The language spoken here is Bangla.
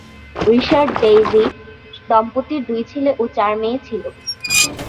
রিশার্ট-ডেইজি দম্পতির দুই ছেলে ও চার মেয়ে ছিল।